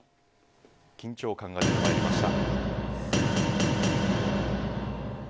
緊張感が出てまいりました。